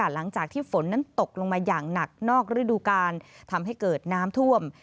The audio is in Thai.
หลังจากที่ฝนนั้นตกลงมาอย่างหนักนอกฤดูกาลทำให้เกิดน้ำท่วม